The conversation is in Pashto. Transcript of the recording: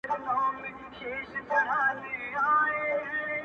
o یعني چي زه به ستا لیدو ته و بل کال ته ګورم.